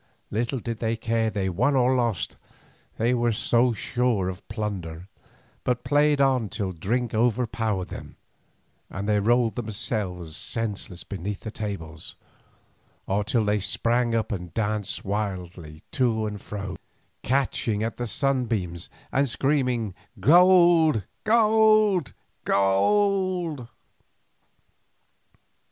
Little did they care if they won or lost, they were so sure of plunder, but played on till drink overpowered them, and they rolled senseless beneath the tables, or till they sprang up and danced wildly to and fro, catching at the sunbeams and screaming "Gold! gold! gold!"